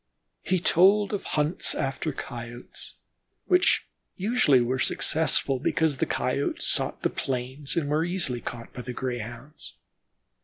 He told of hunts after Coyotes, which usually were successful because the Coyotes sought the plains, and were easily caught by the Greyhounds.